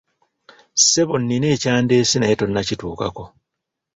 Ssebo nnina ekyandeese naye tonnakituukako!